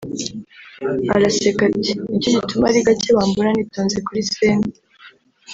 (Aseka ati) nicyo gituma ari gake wambona nitonze kuri scene…